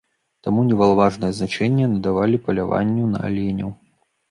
Таму немалаважнае значэнне надавалі паляванню на аленяў.